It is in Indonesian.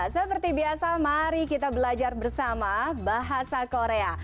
seperti biasa mari kita belajar bersama bahasa korea